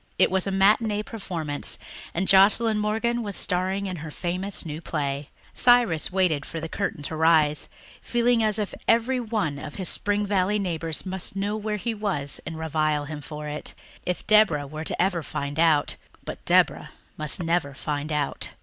It was a matinee performance, and Joscelyn Morgan was starring in her famous new play. Cyrus waited for the curtain to rise, feeling as if every one of his Spring Valley neighbours must know where he was and revile him for it. If Deborah were ever to find out ... but Deborah must never find out!